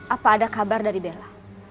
apa ada kabar dari bella